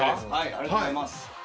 ありがとうございます。